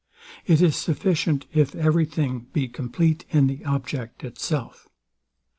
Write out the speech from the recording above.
It is sufficient if every thing be compleat in the object itself.